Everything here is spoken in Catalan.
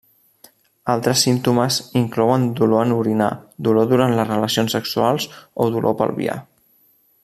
Altres símptomes inclouen dolor en orinar, dolor durant les relacions sexuals o dolor pelvià.